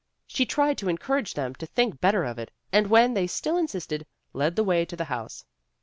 She tried to encourage them to think better of it, and when they still insisted, led the way to the house.